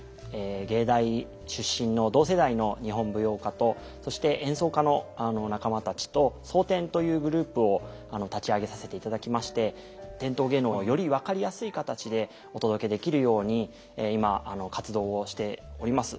藝大出身の同世代の日本舞踊家とそして演奏家の仲間たちと「蒼天」というグループを立ち上げさせていただきまして伝統芸能をより分かりやすい形でお届けできるように今活動をしております。